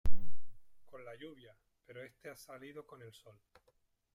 con la lluvia, pero este ha salido con el sol